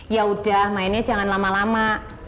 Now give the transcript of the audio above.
ya udah mainnya jangan lama lama